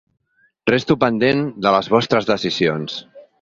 Resto pendent de les vostres decisions.